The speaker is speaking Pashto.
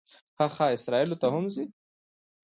ښه ښه، اسرائیلو ته هم ځې.